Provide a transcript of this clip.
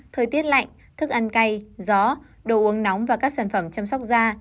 thời tiết lạnh thức ăn cay gió đồ uống nóng và các sản phẩm chăm sóc da